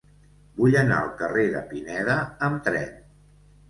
Vull anar al carrer de Pineda amb tren.